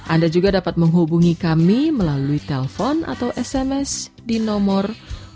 anda juga dapat menghubungi kami melalui telpon atau sms di nomor delapan ratus dua puluh satu seribu enam puluh satu seribu lima ratus sembilan puluh lima